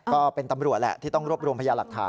ก็เป็นตำรวจแหละที่ต้องรวบรวมพยาหลักฐาน